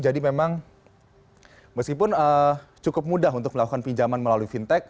jadi memang meskipun cukup mudah untuk melakukan pinjaman melalui fintech